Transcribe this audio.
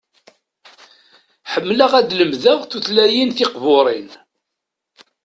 Ḥemmleɣ ad lemdeɣ tutlayin tiqburin.